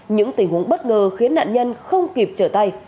những tình huống bất ngờ khiến nạn nhân không kịp trở tay